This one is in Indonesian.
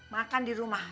makan di rumah